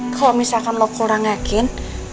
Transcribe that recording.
kalau misalkan lo kurang yakin